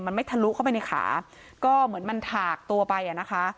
มันไม่ทะลุเข้าไปในขาก็เหมือนมันถากตัวไปอ่ะนะคะ